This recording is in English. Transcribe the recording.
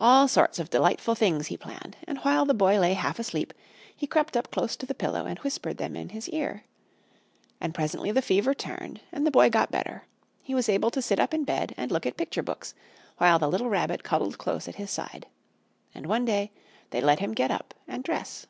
All sorts of delightful things he planned, and while the Boy lay half asleep he crept up close to the pillow and whispered them in his ear. And presently the fever turned, and the Boy got better. He was able to sit up in bed and look at picture books, while the little Rabbit cuddled close at his side. And one day, they let him get up and dress.